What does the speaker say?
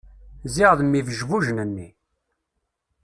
Ziɣ d mm ibejbujen-nni!...